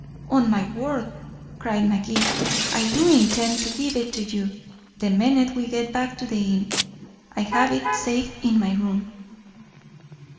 "On my word," cried Magee, "I do intend to give it to you. The minute we get back to the inn. I have it safe in my room."